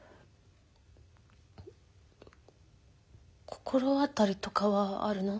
心当たりとかはあるの？